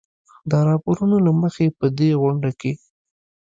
د راپورونو له مخې په دې غونډه کې